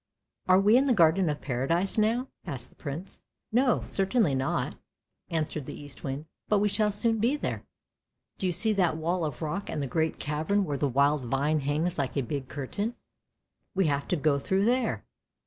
" Are we in the Garden of Paradise now? " asked the Prince. " No, certainly not! " answered the Eastwind. " But we shall soon be there. Do you see that wall of rock and the great cavern where the wild vine hangs like a big curtain? We have to go through there!